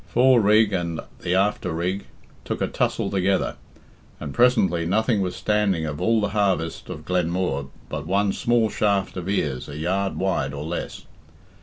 Fore rig and the after rig took a tussle together, and presently nothing was standing of all the harvest of Glenmooar but one small shaft of ears a yard wide or less.